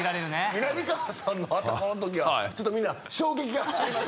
みなみかわさんの頭のときはちょっとみんな衝撃が走りましたよね。